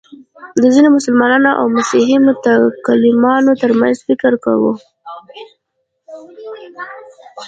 د ځینو مسلمانو او مسیحي متکلمانو تر منځ فکري وه.